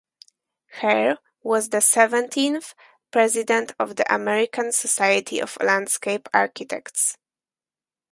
Hare was the seventeenth president of the American Society of Landscape Architects.